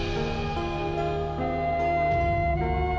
terima kasih tuan